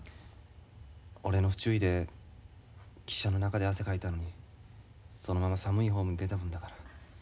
俺の不注意で汽車の中で汗かいたのにそのまま寒いホームに出たもんだから。